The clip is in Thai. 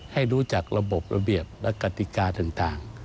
ให้รู้จักระบบระเบียบและกติกาต่าง